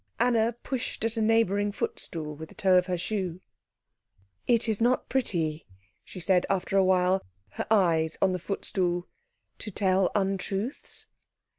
Anna pushed at a neighbouring footstool with the toe of her shoe. "It is not pretty," she said after a while, her eyes on the footstool, "to tell untruths."